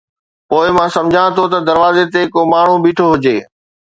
پوءِ مان سمجهان ٿو ته دروازي تي ڪو ماڻهو بيٺو هجي